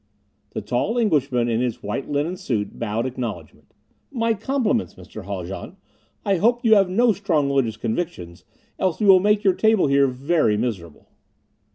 The tall Englishman in his white linen suit bowed acknowledgment. "My compliments, Mr. Haljan. I hope you have no strong religious convictions, else we will make your table here very miserable!"